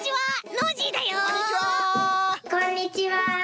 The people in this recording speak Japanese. こんにちは！